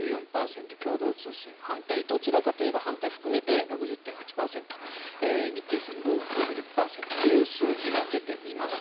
共同通信反対・どちらかというと反対含めて６０．８％日経新聞６０％という数字が出ています。